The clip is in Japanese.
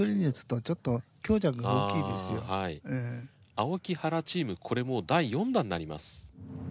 青木・原チームこれもう第４打になります。